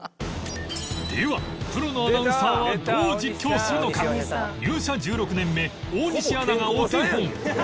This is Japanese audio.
ではプロのアナウンサーはどう実況するのか入社１６年目大西アナがお手本ないですね。